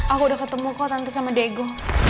aku udah ketemu kok tante sama daegu